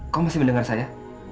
kau masih mendengar saya